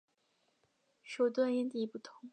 手段因地不同。